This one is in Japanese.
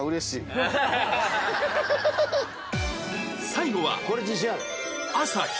最後は